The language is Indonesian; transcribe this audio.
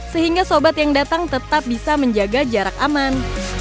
sehingga sobat yang datang tetap bisa menjaga jarak aman